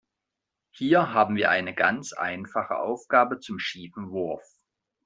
Hier haben wir eine ganz einfache Aufgabe zum schiefen Wurf.